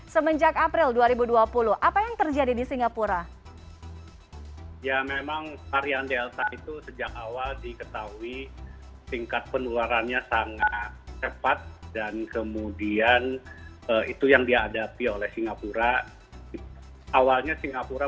semenjak april dua ribu dua puluh apa yang terjadi di singapura